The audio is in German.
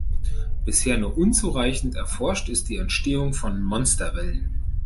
Bisher nur unzureichend erforscht ist die Entstehung von Monsterwellen.